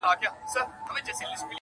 دومره ساده نه یم چي خپل قاتل مي وستایمه!